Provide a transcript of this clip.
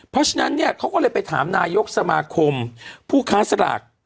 เพราะฉะนั้นเนี่ยเขาก็เลยไปถามนายกสมาคมผู้ค้าสลาก